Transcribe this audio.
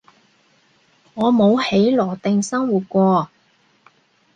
你冇喺羅定生活過